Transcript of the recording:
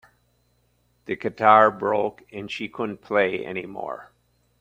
The guitar broke and she couldn't play anymore.